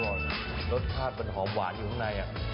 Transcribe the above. รสชาติมันหอมหวานอยู่ข้างใน